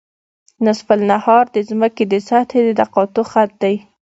نصف النهار د ځمکې د سطحې د تقاطع خط دی